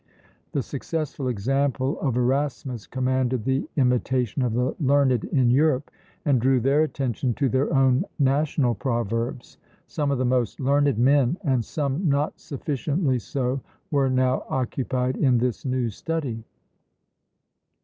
The successful example of Erasmus commanded the imitation of the learned in Europe, and drew their attention to their own national proverbs. Some of the most learned men, and some not sufficiently so, were now occupied in this new study.